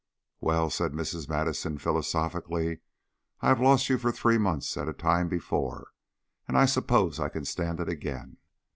"Well," said Mrs. Madison, philosophically, "I have lost you for three months at a time before, and I suppose I can stand it again.